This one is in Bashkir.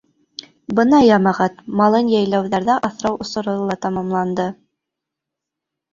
Бына йәмәғәт малын йәйләүҙәрҙә аҫрау осоро ла тамамланды.